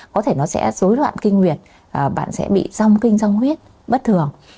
có thể nó sẽ dối loạn kinh nguyệt bạn sẽ bị rong kinh doanh huyết bất thường